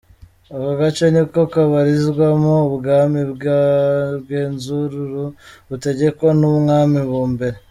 Aka gace niko kabarizwamo ubwami bwa Rwenzururu butegekwa n’ Umwami Mumbere.